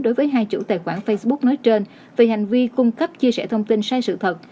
đối với hai chủ tài khoản facebook nói trên về hành vi cung cấp chia sẻ thông tin sai sự thật